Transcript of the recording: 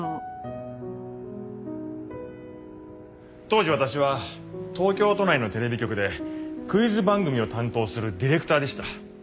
当時私は東京都内のテレビ局でクイズ番組を担当するディレクターでした。